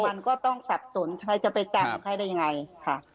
มันก็ต้องสับสนใครจะไปจำใครได้ยังไงค่ะ